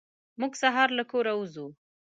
موږ سهار له کوره وځو.